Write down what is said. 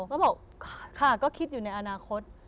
ก็บอกค่ะก็คิดอยู่ในอนาคต